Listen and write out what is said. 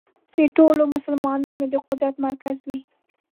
د ټولو مسلمانانو د قدرت مرکز وي.